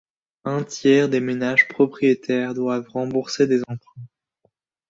Un tiers des ménages propriétaires doivent rembourser des emprunts.